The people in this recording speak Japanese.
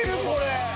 これ。